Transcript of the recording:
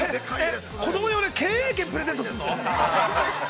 子供用に経営権プレゼントするの？